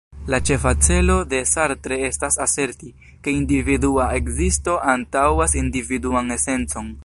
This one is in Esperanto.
La ĉefa celo de Sartre estas aserti, ke individua ekzisto antaŭas individuan esencon.